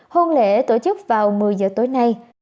hôn lễ tổ chức vào một mươi giờ tối nay